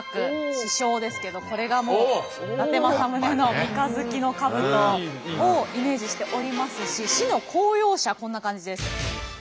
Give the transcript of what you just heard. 市章ですけどこれがもう伊達政宗の三日月のかぶとをイメージしておりますし市の公用車こんな感じです。